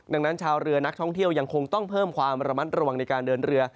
ดังนั้นชาวเรือนักท่องเที่ยวยังคงต้องเพิ่มความระมัดระวังในการเดินเรือ